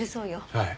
はい。